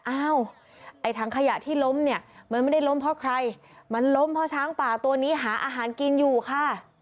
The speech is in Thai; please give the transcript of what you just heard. ไอ้ถังขยะที่ล้มเนี่ยมันไม่ได้ล้มเพราะใครมันล้มเพราะช้างป่าตัวนี้หาอาหารกินอยู่ค่ะ